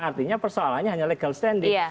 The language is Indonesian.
artinya persoalannya hanya legal standing